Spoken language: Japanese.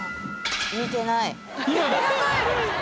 見てない。